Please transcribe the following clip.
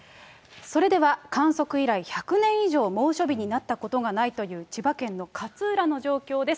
それでは観測以来１００年以上猛暑日になったことがないという千葉県の勝浦の状況です。